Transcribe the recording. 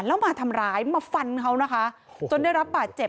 แล้วมาทำร้ายมาฟันเขานะคะจนได้รับบาดเจ็บ